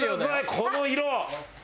この色。